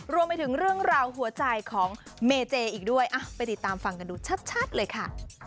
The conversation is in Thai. รวมไปถึงเรื่องราวหัวใจของเมเจอีกด้วยไปติดตามฟังกันดูชัดเลยค่ะ